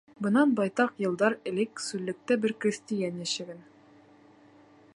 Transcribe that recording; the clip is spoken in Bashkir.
Бынан байтаҡ йылдар элек сүллектә бер крәҫтиән йәшәгән.